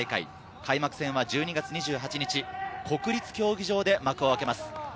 開幕戦は１２月２８日、国立競技場で幕を開けます。